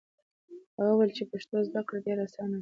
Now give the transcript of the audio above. هغه وویل چې پښتو زده کړه ډېره اسانه ده.